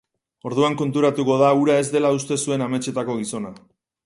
Orduan konturatuko da hura ez dela uste zuen ametsetako gizona.